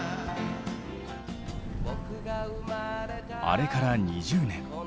あれから２０年。